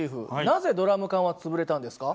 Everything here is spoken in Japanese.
なぜドラム缶は潰れたんですか？